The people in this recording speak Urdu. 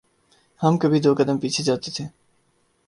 ہم کبھی دو قدم پیچھے جاتے تھے۔